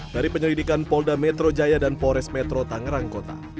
dari penyelidikan polda metro jaya dan pores metro tangerang kota